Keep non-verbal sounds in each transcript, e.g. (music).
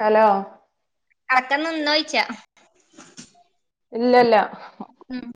Hello അളക്കം നിന്നോയ്ച്ച ഇല്ലല്ല ഉം.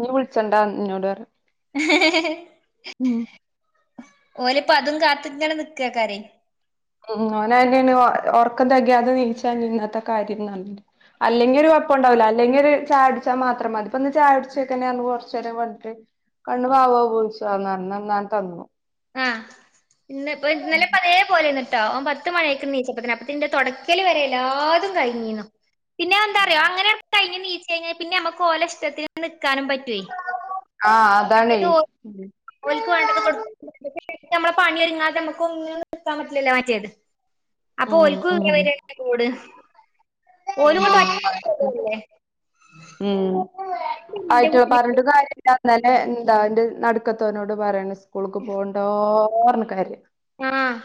ഞ് വിളിച്ചണ്ട ന്നോട് പറഞ്ഞ് ഓലപ്പ അതും കാത്തിങ്ങനിക്കക്കാരേ ഉം ഒനയന്യണ് ഒർക്കംതകിയാതെ നീച്ചാ ഇന്നാത്തെ കാര്ംന്ന അല്ലെങ്കി ഒരു കൊഴപ്പം ണ്ടാവുല അല്ലെങ്കി ഒരു ചായ ടിച്ച മാത്രം മതിപ്പൊ ന്ന് ചായ ഉടിച്ചട്ടന്നെ കൊറചെരം വെകി കണ്ണ് പാവ പളിച്ചുന്ന്ഞാൻ തന്നു ആഹ് ഇന്ന ഇപ്പ ഇന്നലെ പതേ പോലെന്നിട്ടാ ഓമ്പത്ത് മണിയായിക്കണ് നീച്ചപ്പതിന് അപ്പതിന്റെ തുടക്കല് വരെ എല്ലാതും കഴിഞ്ഞീന്നു പിന്നെ എന്താറയോ അങ്ങനെ കിഞ്ഞ്നീച്ചഴിഞ പിന്നെ മ്മക്ക് ഓല ഇഷ്ടത്തിന് നിക്കാനും പറ്റുവേ ആഹ് അതാണേ മറ്റേത് ഓക്ക് വേണ്ടത് കൊടു നമ്മള പണിഒരിങ്ങാതെ മ്മക്ക് ഒന്നും നിൽക്കാൻ പറ്റില്ലല്ലോ മറ്റേത് അപ്പൊ ഉം ഓൽക്ക് ഉം (unintelligible) ഓലങ്ങട്ട് ഒറ്റപ്പെടല്ലേ ഉം എന്റെ ആയിട്ട് കുട്ടിനെ പറഞ്ഞ് കാര്യന്നെ എന്താന്റെ നടുക്കത്തവനോട് പറയണം സ്കൂളക്ക് പോണ് എന്തോർണ കാര്യ ആഹ്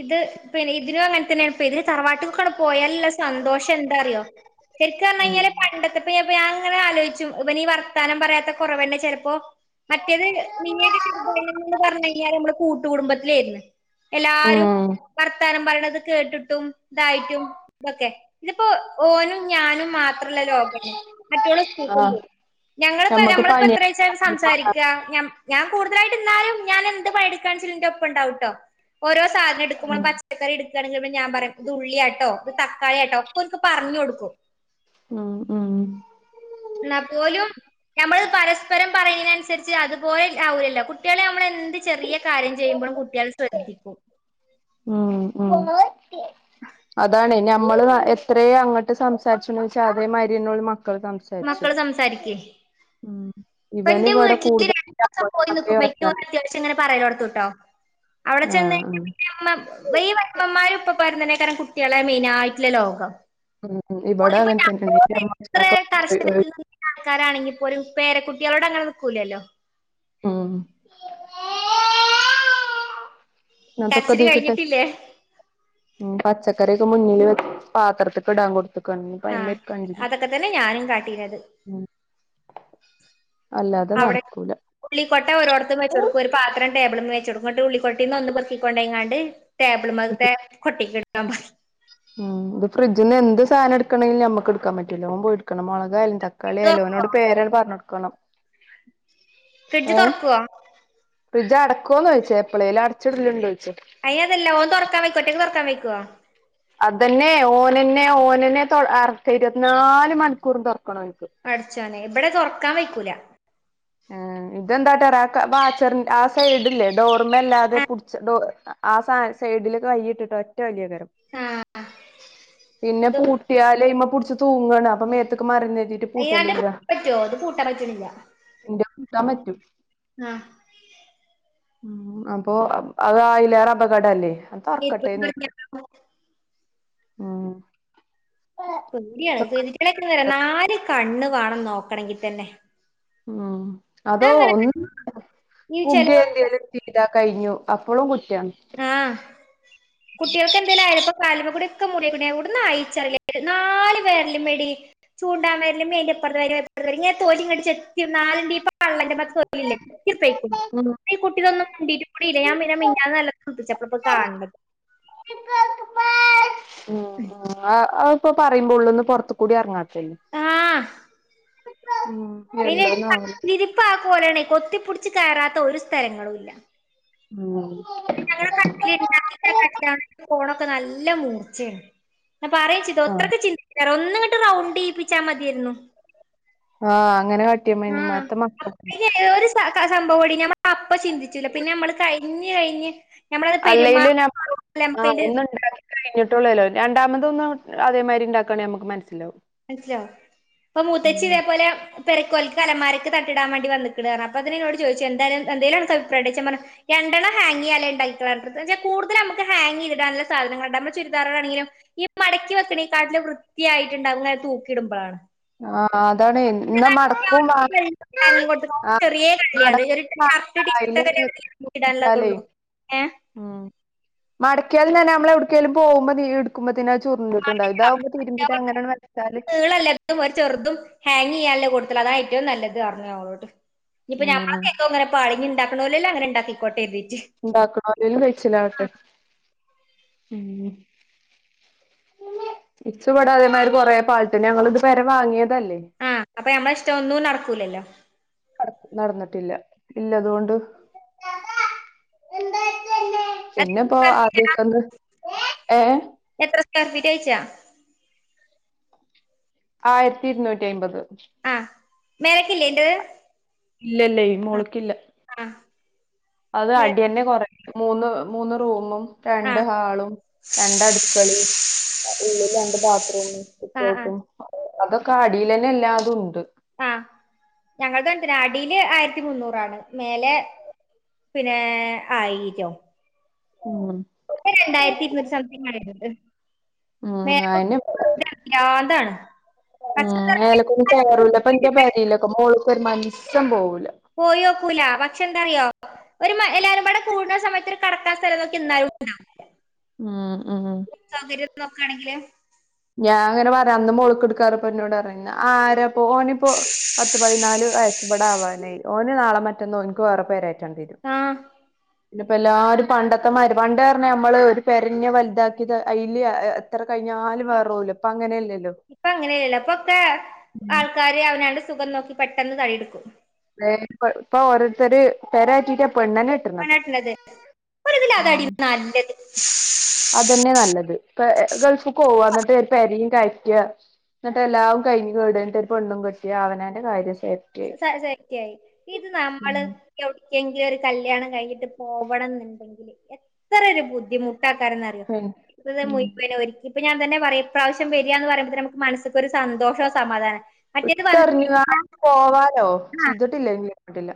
ഇത് പിന്നെ ഇതിനും അങ്ങനെ തന്നെയാപ്പെ ഇതിന് തറവാട്ട് പോയല്ല സന്തോഷം എന്താറിയോ ശരിക് ഉം പറഞ്ഞയിഞ്ഞാല് പണ്ടത്തെ പെ ഞപ്പോ ങ്ങനെ ആലോചിച്ചും ഇവനീ വർത്താനം പറയാത്ത കൊറവന്നെ ചെലപ്പോ മറ്റേത് നീ ച എന്ന് പറഞ്ഞ കഴിഞ്ഞാൽ നമ്മള് കൂട്ട്കൂടുമ്പോ ഉം എല്ലും വർത്തം പറിണത് കേട്ടിട്ടും ഇതായിട്ടും ഇതൊക്കെ ഇതിപ്പോ ഓനും ഞാനും മാത്രല്ല ലോകം മറ്റോള് സ്കൂക്കും ആഹ് പോകും ഞങ്ങളിപ്പോ നമ്മക്ക് നമ്മളിപ്പോ പണി എത്രാച്ച സംസാരി ഞ ഞ്ഞം ഞാൻ കൂടുതലായിട്ട് ന്നാലും ഞാൻ എന്ത് പണിയ ഇടുണെച്ചിലിന്റെ ഒപ്പം ഉണ്ടാവുട്ടോ ഓരോ സാധന എടുക്കുമ്പോ ഉം പച്ച പച്ചക്കറി ഇട്തടക്കുമ്പോ ഞാ പറിം ഇത് ഉള്ളിയട്ടോ ഇത് തക്കാളി ആട്ടോ ഒക്കെ ഓർക്ക് പറഞൊഡ്ക്കും ഉം ഉം ന്നാ പോലും ഞമ്മള് പരസ്പരം പറയണൻസരിച്ച് അതുപോലെ ആവലല്ലോ കുട്ടികളെ മ്മളെന്ത് ചെറിയ കാര്യം ചെയ്യുമ്പോഴും കുട്ടിആള് ശ്രദ്ധിക്കും ഉം ഉം അതാണെ ഞമ്മള് എത്രയ അങ്ങട്ട് സംസാരിച്ചന്ച അതേ മരിയന്ന ഓല് മക്കള് സംസ മക്കള് സംസാരിക്ക്‌ ഉ ഇവന് ഇവിടെ കൂടുതലായിട്ട (unintelligible) വർത്താനം ച്ഇങ്ങനെ പറയലോടുത്തട്ടോ അവിടെ ചെന്ന് ആഹ് ആഹ് കഴിഞ്ഞപിന്നെ ഈ വൈപ്പന്മാരും ഇപ്പ പറുന്നതിനെക്കാരണം കുട്ടികളെ മെയിന ആയിട്ള്ള ലോകം ഉം ഉം ഇബടെ അങ്ങനെ തന്നെ ആണ് (unintelligible) ആൾക്കാരാണെങ്കി പോലും പേര കുട്ടിയാളോട് അങ്ങനെ നിക്കൂലല്ലോ ഉം തൊക്കെ കരച്ചില് തീകിട്ടെ കഴിഞ്ഞിട്ടില്ലേ ഉം പച്ചക്കറൊക്കെ മുന്നില് വെച്ച് പാത്രത്തൊക്കെ ഇടാൻ കൊടു- തെക്കാണ് ആഹ് കൈ്മ കഞ്ചിരി അതൊക്കെ തന്നെ ഞാനും കാട്ടീനത് ഉം അല്ലാതെ അവിടെ നടക്കൂല ഉള്ളിക്കൊട്ട ഓരോടത്തും വെച്ചടുക്കും ഒരു പത്രം ടേബിളുമേ നിന്ന് വച്ച് കൊടുക്കും ന്നട്ട് ഉള്ളിക്കൊട്ടെന്ന് ഒന്ന് പൊക്കികൊണ്ടേങ്ങാണ്ട് ടെബളിമേത്തെ കൊട്ടേയിക്ക്ഇടാൻ പറയ്‌ ഉം ഇത് ഫ്രഡ്ജിന്ന് എന്ത് സാന ട്ക്കണെങ്കിലും ഞമ്മക്ക് ട്ക്കാ പറ്റൂല്ല ഓൻ പോയി ഇട്ക്കണം മുളകയാലും തക്ക്‌ ഫ്രിഡ്ജ് തുറക്കുവോ കളിയല്ലോനോട് പേരട് പറഞ്ഞ് ടുക്കണം ഫ്രിഡ്ജ് തുറക്കുവോ ഫ്രിഡ്ജ് അടക്കോന്ന് ചോദിച്ചാ എപ്പഴേല് അടിച്ചിടലിണ്ടോചോദിച്ച അയിനതല്ല ഓൻ തൊറക്കൻ വയ്ക്കൊ ഒറ്റക്ക് തൊറക്കാൻ വയ്ക്കോ അതെന്നെ ഓനന്നെ ഓനന്നെ അ ഇരുപത്തിനാല് മണിക്കൂറും തൊറക്കണം ഓനിക്ക് പടച്ചോനെ ഇവിടെ തൊറക്കാൻ വയ്ക്കൂല ആ ഇതെന്താകാട്ടറിയോ ആ ബാച്ചറിന്റെആ സൈഡല്ലേ ആ (unintelligible) ആ സ സൈഡില്ല് കൈയിട്ടിട്ടോ ഒറ്റ വലിയകാരം ആഹ് പിന്നെ ഇത് പൂ കിട്ടിയാലേ ഐമ പിടിച്ച് തൂങ്ങാണ് അപ്പമേത്തേക്ക് മറിന്ന് രുതിട്ട് ടീം എൻ്റെ പൂട്ടാൻ പറ്റോ ഇത് പൂട്ടൻ പറ്റണില്ല ഇന്റെ കൂത്താൻ പറ്റും ആഹ് ഉം അപ്പൊ അത് അതിലേറെ അപകട അല്ലേ തുറക്കട്ടെന്ന് വിചാരിച്ചും പരിയാണ് പെളൊക്ക വരാ നാല് കണ്ണ് വേണം നോക്കണങ്കി തന്നെ ഞാൻ അതോ അങ്ങനെ ഒന്ന് ഈ ചെലവർക്ക് പുതിയെഴങതാൽ ചെയ്താൽ കഴിഞ്ഞു അപ്പളും കുറ്റ ആഹ് കുട്ടികൾക്ക്ന്തെങ്കലും ആയാലപ്പ കാൽമേകൂടി ഒക്കെമുറിയി കു ണ്ണു എവിട്ന്നായിച്ചറില്ല നാല് വേരലു മേടി. ചൂണ്ടാവെരലും അയിന്റെ ഇപ്പറത്തെ വേരലിം (unintelligible) ഇങ്ങനെ തൊലിങ്ങട് ച്ചേത്തി നാലിന്റം പള്ള (unintelligible) (unintelligible) ചെത്തിപോയിക് ണു ഉം ഈ കുട്ടിന്നും മുണ്ടിറ്റുകൂടില്ല ഞാൻപിന്നെ മിന്നാന്ന് നാല്ലാന്ന് ശ്രദ്ധിച്ചപോള്ള പ്പ കാണ് ണ്ണത് ഉം ഉം ആഹ് അപ്പൊ പറയുമ്പോ ഉള്ള്ന്ന് പോറത്ത്കൂടി എറങ്ങാതെണ് ആഹ് ഉം അതിന് എന്താന്നാവോ ഡി (unintelligible) കൊത്തിപ്പിടിച്ച് കയറാത്ത ഒരു സ്ഥലങ്ങളും ഇല്ല ഉം ഞങ്ങുടെ കട്ടില് (unintelligible) കോണൊക്കെ നല്ല മൂർച്ചേണ് ഞാൻ പറിയിംചെയ്തു ആഹ് അത്രക്ക് ചിന്തിച്ച്ല ഒന്നുംങ്ങട്ട് റൗണ്ട് ചെയ്യിപ്പിച്ചാ മതിയായിരുന്നു. ആഹ് അങ്ങനെ കട്ട്യാമ്മതിനു ഇമ്മാരി മക്ക ഏതോ രു ക്ക സംഭവം ടി ഞമ്മ അപ്പൊ ചിന്തിച്ചൂല്ല പിന്നെ നമ്മള് കഴിഞ്ഞ് കഴിഞ്ഞ് ഞമ്മളത് പെരുമാ അല്ലെങ്കിലും ഞമ്മള് (unintelligible) നമുക്ക് ആഹ് അതിന്റെ ഒന്നിണ്ടാക്കി കഴിഞ്ഞിട്ടുള്ളല്ലോ രണ്ടാമത് ഒന്ന് അതേമാതിരി ഇണ്ടാക്കാണേ നമുക്ക് മനസ്സിലാവും മനസിലവും പ്പൊ മൂത്തച്ചി ഉം തേ പ്പൊല പേരക്ക് ഓൽക്ക് അലമാരക്ക് തട്ട്ട്ടാൻ വേണ്ടി വന്ന്ക്ക്ണ്റഞ്ഞ് അപ്പതിന് എന്നോട് ചോയിച്ചു എന്താണ് എന്തേലും അനക്ക് അഭിപ്രായണ്ടോയിച്ചു ഞാ പറഞ്ഞ് രണ്ടെണ്ണം ഹാങ്യ്യാലെ ഇണ്ടായിട്ടൊള്ള് എന്താച്ചാ കൂടുതല് നമ്മക്ക് ഹാങ്യ്തിടാന് ള്ള സാധനങ്ങള്ണ്ട് നമ്മടെ ചുരിദാറ്കളാണെങ്കിലും ഈ മടക്കി വെക്ണേ കാട്ടിലും വൃത്തിയായിട്ടുണ്ടവല്ലോ അ തൂക്കി ഇടുമ്പേ ആ അതാണ് എന്നാ ഇന്റെതാണങ്കിലോ മടക്കും വാ (inaudible) അരീക്കോട്ട്ന്ന് ആ ഓക്ക് ചെറ്യേ മടക്കും കള്ളിയത് (unintelligible) കറ് വാണ്ട അയില് (unintelligible) തൂക്കിട്ടാലേ ഇടാന്ള്ളതൊള്ളൂ ഏഹ് ഉം മടക്കിയാലും തന്നെ നമ്മള് എവിടുക്കേലും പോകുമ്പോ ന്നീ യിട് ട്ക്കുമ്പത്തിനും അത് ചുർണ്ട്ട്ട്ണ്ടാവും ഇതാവുമ്പോ തിരുമ്പീട്ട് അങ്ങനെയാണ്ട് വെച്ചാല് തും ഒര് ചെറ്തും ഹാങ്യ്യാല്ലത് കൊട്ത്ത്ണ് അതാ ഏറ്റവും നല്ലത്റ്ഞ്ഞ് ഞാൻ ഓളോട് ഇഞ്ഞ്പ്പൊ ഞമ്മളെ ഉം പേരക്കോങ്ങനെ പാളി ഇനി ഇണ്ടക്ക്ണോല്ലേലും അങ്ങനെ ഇണ്ടക്കികോട്ടേര്തീട്ട് ഇണ്ടാക്ക്ണോലേലും കഴിച്ചിലാവട്ടെ ഉം ഇച്ച് ഇബടെ അതേമാരി കൊറെ പാള്ട്ടെന്നെ ഞങ്ങള്ത് പേര വാങ്ങിയതല്ലേ. ആഹ് അപ്പൊ നമ്മളെ ഇഷ്ട ഒന്നും നടക്കൂലല്ലോ നടന്നിട്ടില്ല ഇല്ലതുകൊണ്ട് അത് പിന്നെപ്പോ ആ? ആദിക്കെന്ന് ഏഹ് എത്ര സ്ക്വയർ ഫീറ്റോയിച്ച ആയിര്ത്തി ഇരുന്നൂറ്റി അയ്മ്പത്. ആഹ് മേലക്ക്ല്ലേയിന്റെത് ഇല്ല ഇല്ലേയ് മോള്ക്കില്ല ആ അത് മേലക്ക്. അടിയെന്നെ കൊറ മൂന്ന് മൂന്ന് റൂമും ആ രണ്ട് ഹാളും രണ്ടടുക്കളീം ഉള്ളിൽ രണ്ട് ബാത്ത്റൂമും ആ ആ സിറ്റോട്ടും അതൊക്കെ അടില്ലന്നെ എല്ലാതും ഉണ്ട് ആഹ് ഞങ്ങള്ടെ അടിയില് ആയിരത്തി മുന്നൂറാണ് മേലെ- പിന്നെ ആയിരോ ഉം ഒര്ക്ക് രണ്ടായിരത്തി ഇരുന്നൂറ്റ സംതിങ് ആയിട്ടുണ്ട് ഉം മേ- അയിന് ഭ്രാന്താണ് ഉം പക്ഷെ എന്താ അറിയോ? മേലകൊന്നും കയ്യറൂല്ല അപ്പന്റെ പേരെയിലൊക്കെ മോള് ഒരു മനുഷ്യൻ പോവൂല പോയാൽ ഒക്കൂല പക്ഷെ എന്താറിയോ ഒരു മ എല്ലാരും കൂടെ കൂടണ സമയത്ത് ഒരു കെടക്കാൻ സ്ഥലം- എനിക്ക് എന്തായാലുടുക്കണം ഉം ഉം സൗകര്യം നോക്കാണെങ്കില് ഞാൻ അങ്ങനെ പറയാം അന്ന് മൊളക്ക് ഇട്ക്കാ റഞ്ഞപ്പൊ ഇന്നൊട് റഞ്ഞ് ആരാ ഓനിപ്പോ പത്ത് പതിനാല് വയസ്സ് ബടെ ആവാനായി ഓന് നാളെ മറ്റന്ന ഓന്ക്ക് വേറെ പേരാ രണ്ടീരും ആ പിന്നപ്പ എല്ലാരും പണ്ടത്തെ മ പണ്ട് പറഞ്ഞാ നമ്മള് ഒരു പെരന്നെ വലുതാക്കിയത് അയില് എത്ര കഴിഞ്ഞാലും വേറൊല്ല ഇപ്പ അങ്ങനെല്ലല്ലോ ഇപ്പ അങ്ങനെല്ലല്ല ഇപ്പൊക്കെ ആൾക്കാര് അവനാണ്ട് സുഖം നോക്കി പെട്ടെന്ന് തടിടുക്കും വ ഇപ്പൊ ഓരോര്ത്തര് പെരാറ്റിട്ടാ പെണ്ണന്നെ കെട്ടണത് പെണ്ണട്ട്ണത് ഒരിത് ല് അതാടി നല്ലത് തന്നെ നല്ലത് പ ഗൾഫിൽ പോവാ എന്നിട്ട് ഒരു പരെ കയറ്റ എന്നിട്ട് എല്ലാവും കഴിഞ്ഞ് കേട് ഒരു പെണ്ണും കെട്ടി അവനന്റെ കാര്യം സേഫ്റ്റി ആയി സേഫ്റ്റി ആയി ഇത് നമ്മള് ഉം എവിടേക്കെങ്കിലും ഒരു കല്യാണം കഴിഞ്ഞിട്ട് പോവണം ന്ന്ണ്ടെങ്കില് എത്ര ഒരു ബുദ്ധിമു ട്ടേക്കാരം ന്നറിയോ ഉം ഇപ്പത് ഉം മുയ് വനും ഓ ഇപ്പൊ ഞാൻതന്നെ പറയും ഇപ്രാവശ്യം വരികയാന്ന് പറുമ്പഴേ നമുക്ക് മനസ്സിക്കൊരു സന്തോഷോ സമാധാനം മറ്റേത് വന്ന ഇട്ടെറിഞ്ഞുകാണ്ട് പോവാലോ ചെയ്തിട്ടില്ല എങ്കിലുംന്നിട്ടില്ല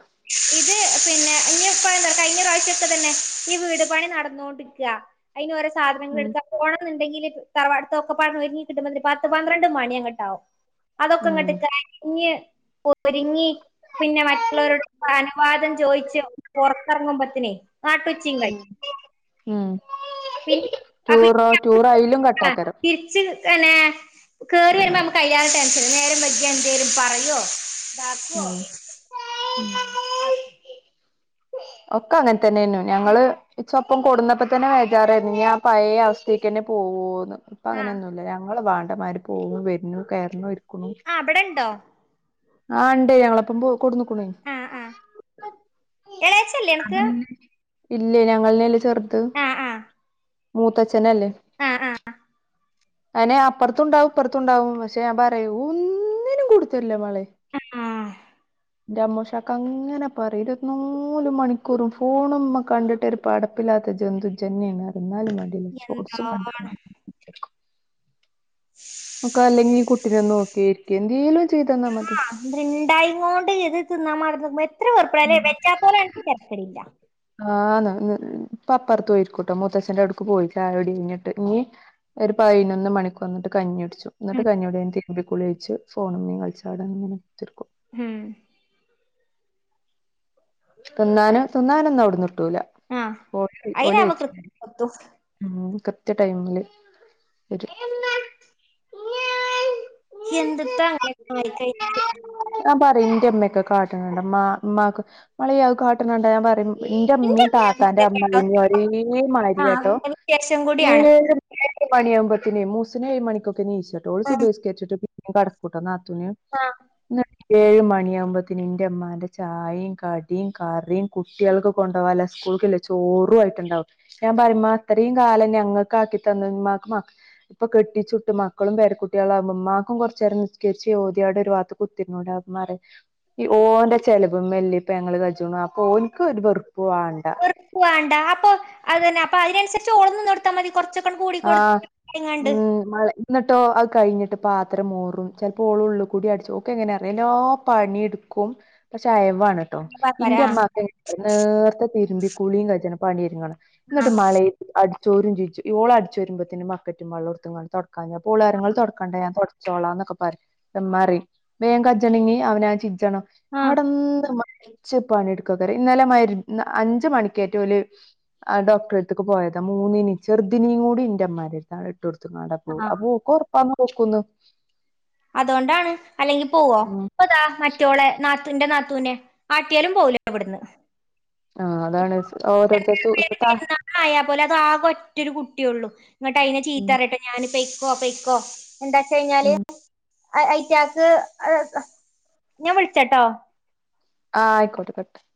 ഇത് പിന്നെ ഇപ്പ എന്താ കഴിഞ്ഞ പ്രാവശ്യ തന്നെ ഈ വീട് പണി നടന്നൊടിക്ക അതിന് ഓരോ സാധനങ്ങൾ ഉം എടുക്കാ പോണം ന്നുണ്ടെങ്കിൽ തറവാട്ത്തൊക്കപ്പാടെ ഒരുങ്ങി കിട്ടുമപൊത്തിൻ പത്ത് പന്ത്രണ്ട് മണി അങ്ങട്ടാവും അതൊക്കെ ഉം ഇങ്ങോട്ട് കഴിഞ്ഞ് ഒരുങ്ങി പിന്നെ മറ്റുള്ളവരുടെ അനുവാദം ചോയിച്ച് പുറത്തിറങ്ങുമ്പത്തനെ നാട്ടു ഉം ഉം പിന്നെ അപ്പൊ ടൂറോ ടൂറയിലും കട്ട ആ ആക്കരം തിരിച്ച് പിന്നെ കേറി വരുമ്പോ നമ്മുക്ക് അതിലേറെ ടെൻഷൻ നേരം വൈകിയ എന്തേരും പറയോ ബാക്കോ ഉം അ ഒക്കെ അങ്ങനെ തന്നെയന്നു ഉം ഞങ്ങള് ചൊപ്പം കൊട്ന്നപ്പോ തന്നെ വേചാറായിരുന്നു ഇ ആ പഴയ അവസ്ഥയേക്ക് തന്നെ പൊവൊന്ന് ഇപ്പൊ ആ അങ്ങനെയൊന്നുല്ല ഞങ്ങള് വാണ്ടമാര് പോകു വരുന്നു കേറണു ഇരിക്കുന്നു ആ ബടെണ്ടോ ആണ്ട് ഞങ്ങളപ്പം പോ കൊടുന്നക്കണേ ആ ആ എളേച്ചല്ലേ അത അനക്ക് ഇല്ല ഞങ്ങൾന്നല്ല ചെറുത് ആ ആ മൂത്തച്ഛനല്ലേ ആ ആ അതിനെ അപ്പുറത്തുണ്ടാവും ഇപ്പുറത്തുണ്ടാവും പക്ഷെ ഞാൻ പറയൂ ഒന്നിനും കൊടുത്തല്ല മളെ (unintelligible) ൻ്റമ്മുഷാക്കങ്ങനെ പറയും (unintelligible) മൂല് മണിക്കൂറും ഫോണുമ്മെ കണ്ടിട്ട് ഒരു പടപ്പില്ലാത്ത ജന്തുജ്ജന്നെണ് പറയുംന്നാലും എന്താ (unintelligible) ഓക്കാ അല്ലെങ്കീ കുട്ടിനെന്നോക്കിരിക്ക എന്തേലും ചെയ്തന്നാ മതി (unintelligible) ആഹ് ന്ന് പ്പപ്പറത്ത് പോയിരിക്കോട്ടോ മുത്തച്ഛന്റെ അവിടുക്ക് പോയി ചായുടി കയിഞ്ഞിട്ട് ഇനി ഒരു പയ്നൊന്ന് മണിക്ക് വന്നിട്ട് കഞ്ഞിടിക്കു എന്നിട്ട് ഉം കഞ്ഞൂടി കഴിഞ്ഞ്ട്ട് (unintelligible) ഫോണുമ്മേ കളിച്ചാവിടങ്ങനെകുത്തിർക്കും ഹും തിന്നാനും തിന്നാനൊന്നും അവിട്ന്ന് ഇട്ടൂല ഓല ഓല് വെച്ച്‌ ഒത്തും ഉം കൃത്യ ടൈമില് വരും (unintelligible) (unintelligible) ആയിക്കഴിഞ്ഞാല് ഞാൻ പറയും എന്റെമ്മക്കെ കാട്ടണണ്ട് മ്മ ഇമ്മാക്ക് മളിയ കാട്ടണണ്ട ഞാൻ പറയും എന്റെ ഉമ്മീ ഇന്റെ താക്കാന്റെ (unintelligible) ഒരേ മാരിയട്ടോ ആഹ് ശേഷം കൂടിയാണ് ഏഴ് ഏഴു മണിയാവുമ്പഴത്തേന്ന് മൂസിനു ഏഴ് മണിക്കൊക്കെ ഇണീച്ചുട്ടോ ഓള് ആഹ് സുബൈസ്കരിച്ചിട്ട് പിന്നേം കിടക്കും കുട്ട നാത്തൂന് ആഹ് ഇന്ന് ഏഴ് മണിയാമ്പോത്തേന് ഇന്റെമ്മാന്റെ ചായേം കടീം കറീം കുട്ട്യൾക്ക് കൊണ്ടുപോവാല്ല സ്കൂളിക്കുള്ള ചോറുവായിട്ടുണ്ടാവും ഞാൻ പറയുമ്മാ ഇത്രേം കാലം ഞങ്ങക്കാക്കി തന്ന ഉമ്മാക്ക് മാ ഇപ്പൊ കെട്ടിച്ചിട്ട് മക്കളും പേരക്കുട്ടികളാമ്പ ഇമ്മാക്കും കൊറച്ചേരം നിസ്സ് കെരിച്ച് ഓതിയോടെ ഒരു ഭാത്ത് കുത്തി ഇരുന്നൂടെമ്മാറയു ഈ ഓന്റെ ചെലവും മേല്ല് ഇപ്പ ഞങ്ങള് കഴിച്ചുന്നാ അപ്പൊ ഓന്ക്ക് ഒരു വെറുപ്പ് വാണ്ട വേണ്ടാപ്പൊ അതന്നെ അപ്പൊ അയ്നനുസരിച്ച് ഓളും നിന്നൊടുത്താ മതി കൊറച്ച് ആഹ് മ് മളേ ന്നിട്ടോ അത് കയ്ഞ്ഞിട്ട് പാത്രം മോറും ചെലപ്പോ ഓളുള്ളി കൂടി അടിച്ചു ഓക്കെങ്ങനെ അറിയാം എല്ലാ പണിയെടു ക്കും പക്ഷെ അയവാണ് ട്ടോ ആഹ് ഇന്റെമ്മാക്ക് നേർത്തെ തിരുമ്പിക്കുളിയും കഴിച്ചേന പണിയിര്ങ്ങണം ആഹ് എന്നിട്ട് മലയും അടിച്ചോരും ചീച്ചു ഓള് അടിച്ചു വരുമ്പത്തേന്ന് ബക്കറ്റും വെള്ളം എടത്തുങ്ങണ്ട് തൊടക്കും കഞ്ഞ പൂളാരങ്ങൾ തൊടക്കണ്ടേ ഞാൻ തൊടച്ച് ചോളാന്നൊക്കെ പറഞ്ഞ് പമ്മറയും വേം കച്ചണങ്ങി അവനാചിച്ചണം ആഹ് കടന്ന് മരിച്ച് പണി എടുക്ക (unintelligible) ഇന്നലെ മരു അഞ്ച് മണിക്കാറ്റോല് ആ ഡോക്ടറടുത്തേക്ക് പോയതാ മൂന്നിനേം ചെറുതിനേയും കൂടി ന്റമ്മാരെടുത്താണ് ഇട്ടുടുത്ത്ങ്ങാണ്ടാ പോവ്വാ ആഹ് അപ്പോക്കൊറപ്പാന്ന് പോക്കുന്ന് അതോണ്ടാണ് അല്ലെങ്കിൽ പോവോ ഇപ്പതാ മ മറ്റോളെ നാത്തുന്റെ നാത്തുനേ ആട്ടിയാലും പോവൂല്ല ഇവിട്ന്ന് ആഹ് അതാണ് ഓരോരുത്ത സു ഇപ്പ താ ആയാ പോലും അത് ആകെ ഒറ്റൊരു കുട്ടിയൊള്ളൂ ഇങ്ങട്ട് അയ്നെ ഉം ചീത്തർന്നിട്ട് ഞാനിപെയ്ക്കോ പെയ്ക്കോ. എന്താച്ചഴിഞ്ഞാല് ഉം ഐറ്റാക്ക് ങ് ഞാൻ വിളിച്ചട്ടോ ആഹ് ആയിക്കോട്ടെ (unintelligible)